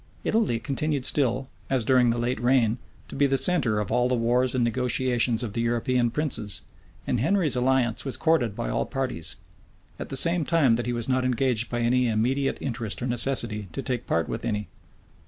Italy continued still, as during the late reign, to be the centre of all the wars and negotiations of the European princes; and Henry's alliance was courted by all parties; at the same time that he was not engaged by any immediate interest or necessity to take part with any.